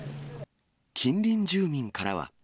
近隣住民からは。